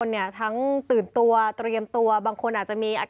เนี่ยทั้งตื่นตัวเตรียมตัวบางคนอาจจะมีอาการ